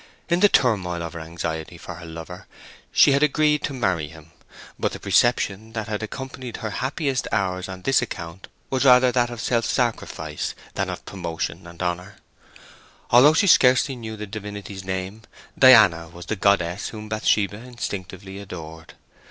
In the turmoil of her anxiety for her lover she had agreed to marry him; but the perception that had accompanied her happiest hours on this account was rather that of self sacrifice than of promotion and honour. Although she scarcely knew the divinity's name, Diana was the goddess whom Bathsheba instinctively adored.